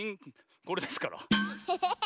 これですから。